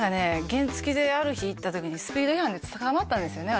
原付きである日行った時にスピード違反で捕まったんですよね